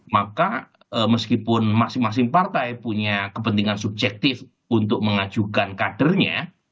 maka meskipun masing masing partai punya kepentingan subjektif untuk mengajukan kadernya